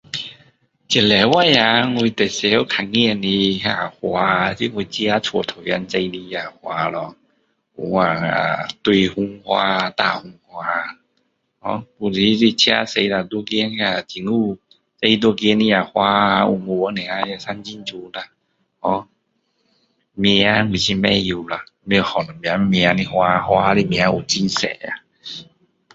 这个礼拜呀我最常看到的里呀花是我自己家前面的种的那个花咯有那个大红花有的是自己驾的那个政府种路边的那个花黄黄的长的很漂亮啦 hor 名字我是不懂叫什么啦什么名字的花名有很多呀